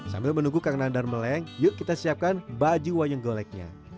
sambil menunggu kang nandar meleng yuk kita siapkan baju wayang goleknya